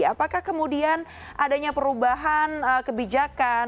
apakah kemudian adanya perubahan kebijakan